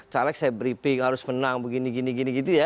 caleg saya briefing harus menang begini gini gitu ya